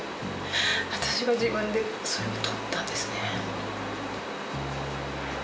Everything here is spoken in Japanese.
私が自分でそれを取ったんですね。